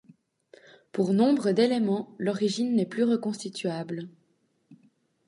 Pour nombre d'éléments, l'origine n'est plus reconstituable.